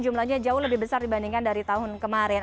jumlahnya jauh lebih besar dibandingkan dari tahun kemarin